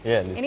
iya di sini